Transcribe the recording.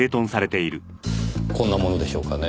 こんなものでしょうかねぇ。